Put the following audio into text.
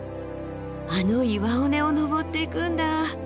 あの岩尾根を登っていくんだ。